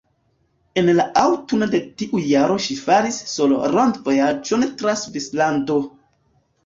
En la aŭtuno de tiu jaro ŝi faris solo-rondvojaĝon tra Svislando.